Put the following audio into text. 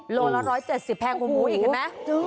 ร้อยแล้วร้อยเจ็ดสิบแพงคุณผู้อีกเห็นไหม